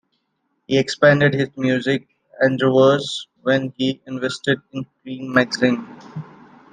He expanded his music endeavors when he invested in "Creem" magazine.